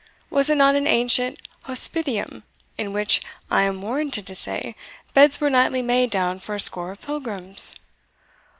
was it not an ancient hospitium, in which, I am warranted to say, beds were nightly made down for a score of pilgrims?"